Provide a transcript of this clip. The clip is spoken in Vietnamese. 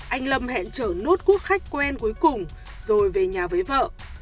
anh lâm hẹn trở nốt quốc khách quen cuối cùng rồi về nhà với vợ